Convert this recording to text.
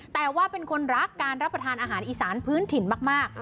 แต่ว่าเป็นคนรักการรับประทานอาหารอีสานพื้นถิ่นมาก